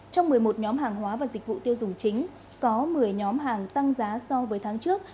trong một mươi một nhóm hàng hóa và dịch vụ tiêu dùng chính có một mươi nhóm hàng tăng giá so với tháng trước